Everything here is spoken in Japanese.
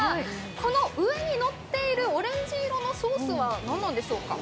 この上にのっているオレンジ色のソースはどういうものでしょうか。